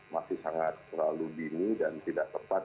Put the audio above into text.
masih sangat terlalu dini dan tidak tepat